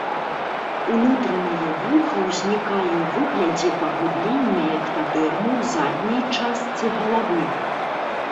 Унутранае вуха ўзнікае ў выглядзе паглыблення эктадэрмы ў задняй частцы галавы.